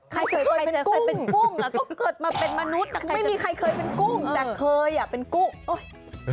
ใครเจอเคยเป็นกุ้งไม่มีใครเคยเป็นกุ้งแต่เคยอะเป็นกุ้งโอ้ย